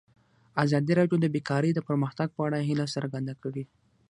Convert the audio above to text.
ازادي راډیو د بیکاري د پرمختګ په اړه هیله څرګنده کړې.